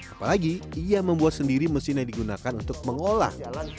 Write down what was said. apalagi ia membuat sendiri mesin yang digunakan untuk mengolah